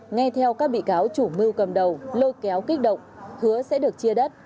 nghe theo các bị cáo chủ mưu cầm đầu lôi kéo kích động hứa sẽ được chia đất